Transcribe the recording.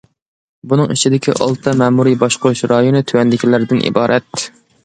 بۇنىڭ ئىچىدىكى ئالتە مەمۇرىي باشقۇرۇش رايونى تۆۋەندىكىلەردىن ئىبارەت.